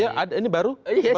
oh ya ini baru